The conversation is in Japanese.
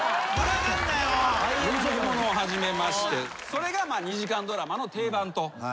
それが２時間ドラマの定番となりました。